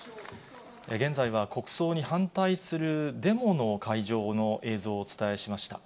現在は、国葬に反対するデモの会場の映像をお伝えしました。